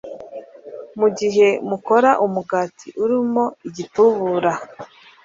Mu gihe mukora umugati urimo igitubura